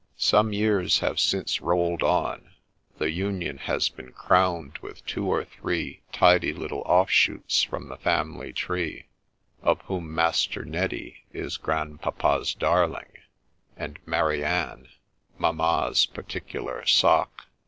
Some years have since rolled on ; the union has been crowned with two or three tidy little off shoots from the family tree, of whom Master Neddy is ' grandpapa's darling,' and Mary Anne mamma's particular ' Sock.'